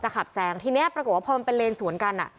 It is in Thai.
ขับแซงทีนี้ปรากฏว่าพอมันเป็นเลนสวนกัน